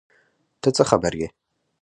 ته څه خبر یې ؟